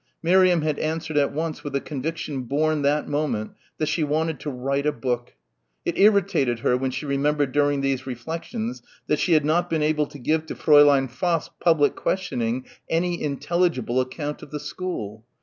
Miriam had answered at once with a conviction born that moment that she wanted to "write a book." It irritated her when she remembered during these reflections that she had not been able to give to Fräulein Pfaff's public questioning any intelligible account of the school.